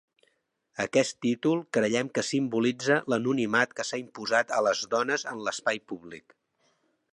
Aquest títol creiem que simbolitza l'anonimat que s'ha imposat a les dones en l'espai públic.